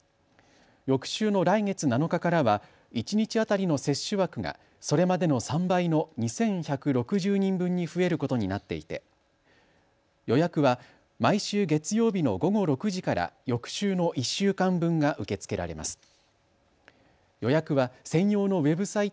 翌週の来月７日からは一日当たりの接種枠がそれまでの３倍の２１６０人分に増えることになっていて予約は毎週月曜日の午後６時から翌週の１週間分が受け付けられます。